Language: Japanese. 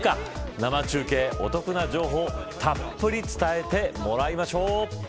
生中継、お得な情報たっぷり伝えてもらいましょう。